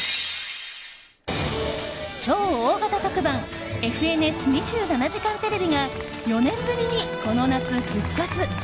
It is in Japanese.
超大型特番「ＦＮＳ２７時間テレビ」が４年ぶりにこの夏、復活。